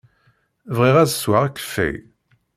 Bɣiɣ ad sweɣ akeffay.